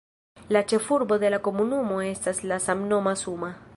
La ĉefurbo de la komunumo estas la samnoma "Suma".